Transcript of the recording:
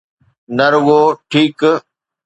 نه رڳو ٺيڪ.